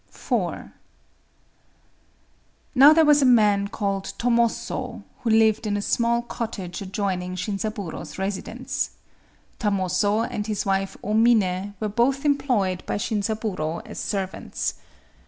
IV Now there was a man called Tomozō, who lived in a small cottage adjoining Shinzaburō's residence, Tomozō and his wife O Miné were both employed by Shinzaburō as servants.